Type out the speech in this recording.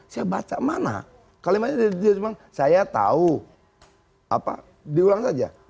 saya baca mana kalimatnya dia bilang saya tahu apa diulang saja